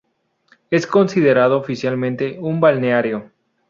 Es considerado oficialmente un balneario.